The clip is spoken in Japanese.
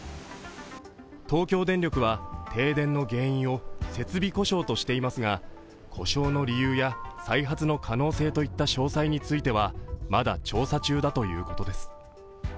東京電力は停電の原因を設備故障としていますが故障の理由や、再発の可能性といった詳細についてはまだ調査中だということです。